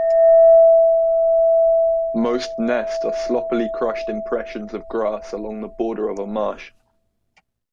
Most nest are sloppily crushed impressions of grass along the border of a marsh.